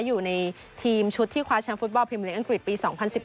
อยู่ในทีมชุดที่คว้าแชมปุตบอลพิมพลิกอังกฤษปี๒๐๑๘